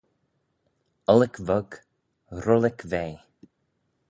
Ollick vog, rhullic vea